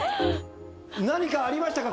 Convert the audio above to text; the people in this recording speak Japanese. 何かありましたか？